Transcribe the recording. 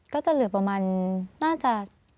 ก็จะเหลือประมาณน่าจะ